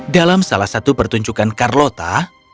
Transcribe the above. dalam salah satu pertunjukan carlota